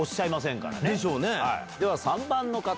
では３番の方。